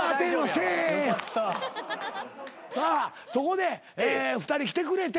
さあそこで２人来てくれて。